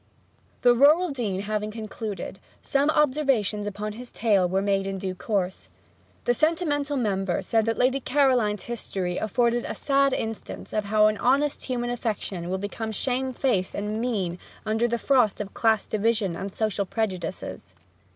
The rural dean having concluded, some observations upon his tale were made in due course. The sentimental member said that Lady Caroline's history afforded a sad instance of how an honest human affection will become shamefaced and mean under the frost of class division and social prejudices.